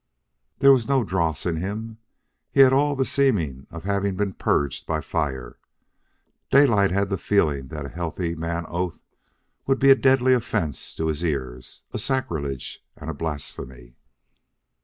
There was no dross in him. He had all the seeming of having been purged by fire. Daylight had the feeling that a healthy man oath would be a deadly offence to his ears, a sacrilege and a blasphemy.